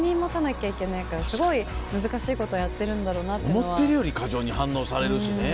すごい。思ってるより過剰に反応されるしね。